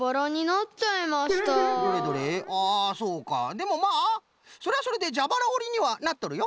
でもまあそれはそれでじゃばらおりにはなっとるよ。